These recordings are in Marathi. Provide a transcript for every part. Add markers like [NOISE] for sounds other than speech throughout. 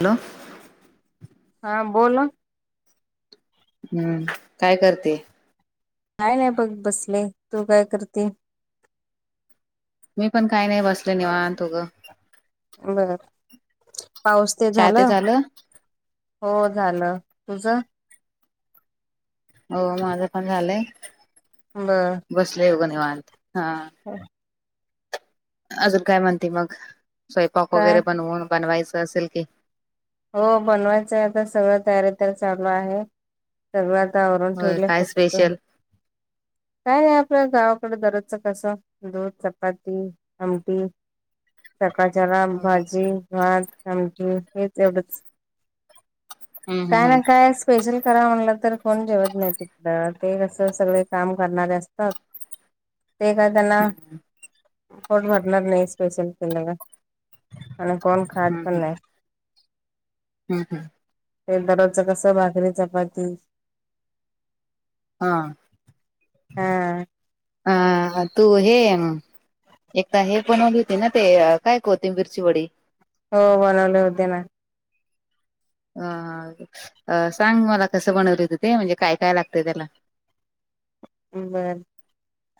हॅलो हा बोल. हम्म काय करते? काय नाही बघ बसले, तू काय करते? मी पण काही नाही. बसले निवांत गं. बर. पाऊस ते झालं? हो झालं, तुझ? हो, माझं पण झालंय. बर. बसले बग निवात हा. हम् [UNINTELLIGIBLE] अजून काय म्हणते मग, स्वयंपाक काय वगैरे बनवून बनवायचं असेल की? हो बनवायचं आहे आता सगळं तयारी तर चालू आहे. सर्व आता आवरणून होय ठेवलं काय फक्त. [INAUDIBLE] स्पेशल काय नाही आपल्या गावाकडे दरजचं कसं दूध चपाती आमटी. सकाचारा हम्म भाजी भात आम हेच तेवढच [INAUDIBLE] हम्म काय हम्म ना काय स्पेशल. खरा म्हणलं तर फोन जेवत नाही, तिकडं ते कसं सगळे काम करणारे असतात. ते काय त्यांना [INAUDIBLE] फट भरणार नाही स्पेशल केल्या का. [INAUDIBLE] आणि कोण खाज पण नाही. हम् हम. ते दारच कस भाकरी चपाती. हा हा [INAUDIBLE] अ तू हे. एकदा हे बनवलीतीे ना ते काय कते मिरची वडी. हो बनवले होते ना. अ सांग मला कसं बनवलंेतं ते म्हणजे काय काय लागतंय त्याला. बरं.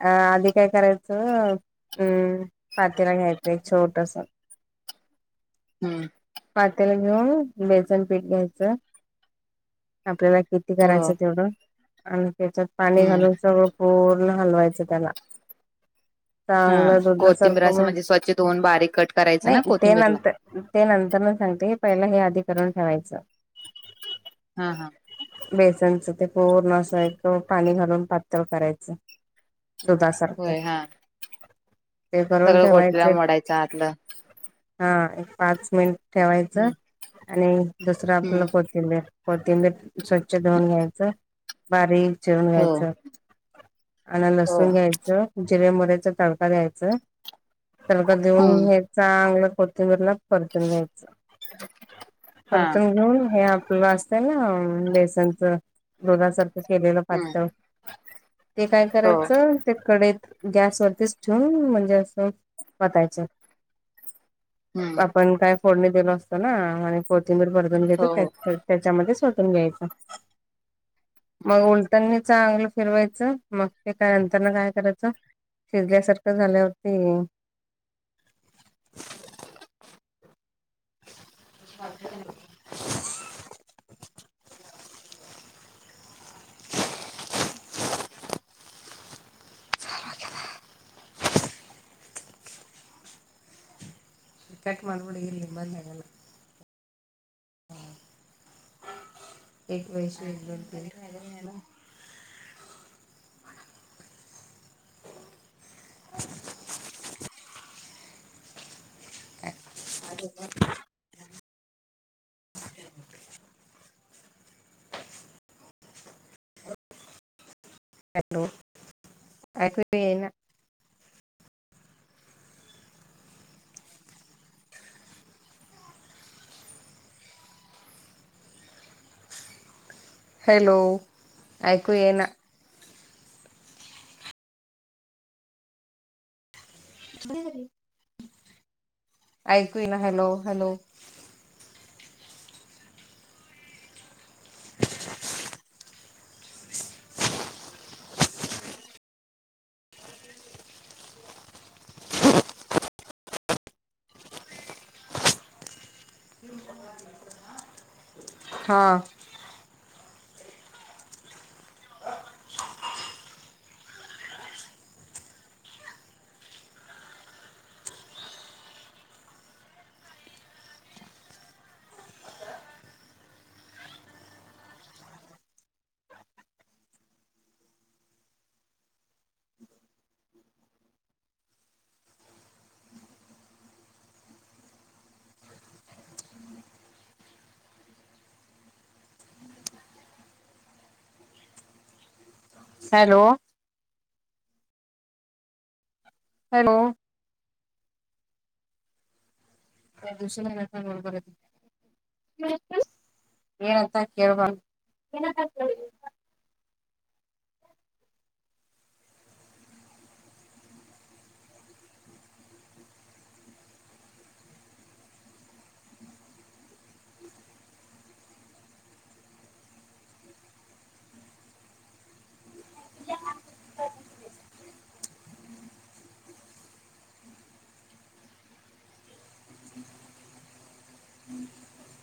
अ आधी काय करायचं अम् पातीला घ्यायचं एक छोट. हम्. पातेल घेऊन बेसन पीठ घ्यायचं [INAUDIBLE] आपल्याला किती. हो करायचं तेवढं आणि त्याच्यात पाणी हम्म घालून सगळं पूर्ण हलवायचं त्याला. हा चांगलं कोथिंबीर दुधासारखं असं म्ह म्हणजे स्वच्छ धुवून बारीक कट [INAUDIBLE] करायचं नाही ना ते कोथिंबीरला नंतर. ते नंतर म सांगते की पहिला हे आधी करून ठेवायचं. हा हा. बेसनचं ते पूर्ण असं एक पाणी घालून पातळ करायचं. दुधासारखं होय हा [INAUDIBLE] ते करून सगळं गोटला ठेवायचे. मोडायचं आतलं हा एक पाच मिनिट ठेवायचं, हम्म आणि दुसरं हम्म आपलं प त तिब स्वच्छ धुऊन घ्यायचं. बारीक चिरून हो घ्यायचं [INAUDIBLE] आणि हो लसूण घ्यायचं. जिऱ्यामध्येचा तडका [INAUDIBLE] द्यायचा तडका देऊन हम्म हे. चांगलं कोथंबरला परतून या्यायचं. हा परतून घेऊन हे आपलं असतय ना, बेसनच दुधासारखं केलेलं हम्म पातळ [INAUDIBLE] ते काय हो करायचं. त्या कढईत गॅस वरतीच ठेऊन म्हणजे असं वतायच. हम्म आपण काय फोडणी दिलो असतो ना आणि कोथिंबीर परतून घेतो हो हो त्याच्यामध्ये सो [UNINTELLIGIBLE] घ्यायच [INAUDIBLE] मग उलथनिच. चांगलं फिरवायचं मग ते काय नंतर न काय करायचं. शिजल्यासारखं झाल्या होते. श [UNINTELLIGIBLE] कट माबिड इरली ब मंदेला [UNINTELLIGIBLE] हम् [UNINTELLIGIBLE] एक वजस एक. [UNINTELLIGIBLE] [UNINTELLIGIBLE] ह [UNINTELLIGIBLE] हॅलो [INAUDIBLE] ऐकू बी येणा. हॅलो [INAUDIBLE] ऐकू ये ना. [UNINTELLIGIBLE] ऐक ना हॅलो हॅलो. हा. हॅलो. हॅलो. प्रदूषण ब [UNINTELLIGIBLE] [INAUDIBLE] तुझ्या हात न बनवतेस तीस. [INAUDIBLE]